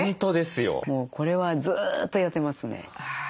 もうこれはずっとやってますね。